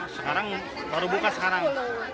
sekarang baru buka sekarang